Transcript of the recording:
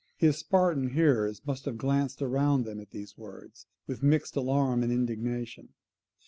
His Spartan hearers must have glanced round them at these words, with mixed alarm and indignation.